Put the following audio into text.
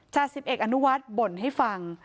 จ่าสิบเอกอนุวัฒน์บ่นให้ฟัง